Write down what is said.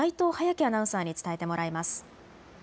希アナウンサーに伝えてもらいます。